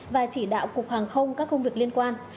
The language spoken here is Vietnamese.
và chỉ đạo cục hàng không các công việc liên quan